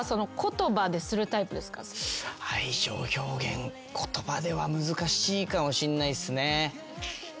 愛情表現言葉では難しいかもしんないっすね。